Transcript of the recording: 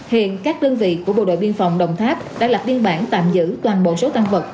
hiện các đơn vị của bộ đội biên phòng đồng tháp đã lập biên bản tạm giữ toàn bộ số tăng vật